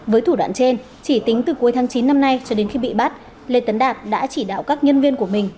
với thủ đoạn trên chỉ tính từ cuối tháng chín năm nay cho đến khi bị bắt lê tấn đạt đã chỉ đạo các nhân viên của mình